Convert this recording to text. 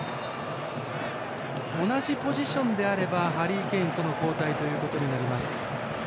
同じポジションであればハリー・ケインとの交代となります。